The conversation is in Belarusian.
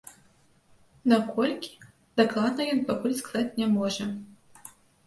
На колькі, дакладна ён пакуль сказаць не можа.